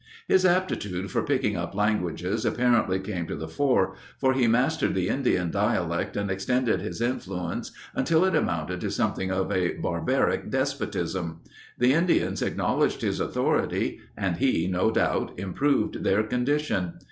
His aptitude for "picking up languages" apparently came to the fore, for he mastered the Indian dialect and extended his influence until it amounted to something of a barbaric despotism. The Indians acknowledged his authority, and he, no doubt, improved their condition.